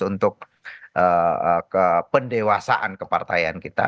untuk pendewasaan kepartaian kita